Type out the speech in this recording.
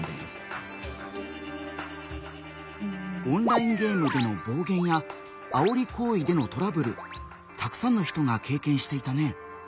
オンラインゲームでの暴言やあおり行為でのトラブルたくさんの人が経験していたね。